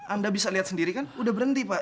anda bisa lihat sendiri kan udah berhenti pak